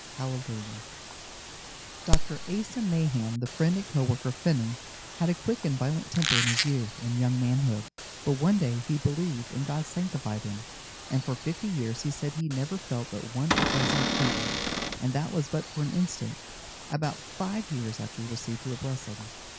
Hallelujah! Dr. Asa Mahan, the friend and co worker of Finney, had a quick and violent temper in his youth and young manhood; but one day he believed, and God sanctified him, and for fifty years he said he never felt but one uprising of temper, and that was but for an instant, about five years after he received the blessing.